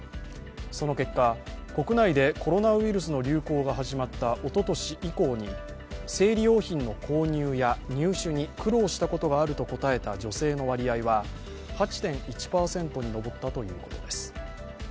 その結果、国内でコロナウイルスの流行が始まったおととし以降に生理用品の購入や入手に苦労したことがあると答えた女性の割合は８．１％に上ったということです。